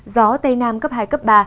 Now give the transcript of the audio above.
gió tây nam cấp hai cấp ba